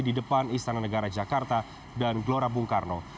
di depan istana negara jakarta dan gelora bung karno